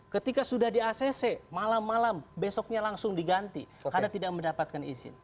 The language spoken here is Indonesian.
ketika sudah di acc malam malam besoknya langsung diganti karena tidak mendapatkan izin